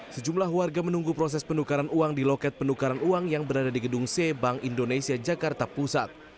sejumlah warga menunggu proses penukaran uang di loket penukaran uang yang berada di gedung c bank indonesia jakarta pusat